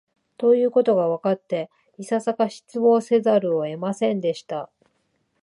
ということがわかって、いささか失望せざるを得ませんでした